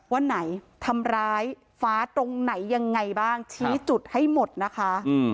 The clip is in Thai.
ว่าไหนทำร้ายฟ้าตรงไหนยังไงบ้างชี้จุดให้หมดนะคะ